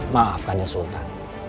maafkan ya sultan